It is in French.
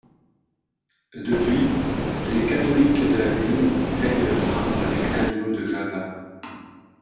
Depuis, les catholiques de la ville teignent le drap avec l'indigo de Java.